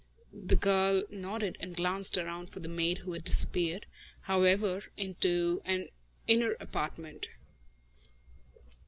The girl nodded and glanced around for the maid, who had disappeared, however, into an inner apartment.